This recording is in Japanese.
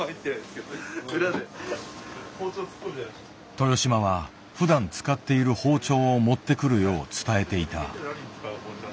豊島はふだん使っている包丁を持ってくるよう伝えていた。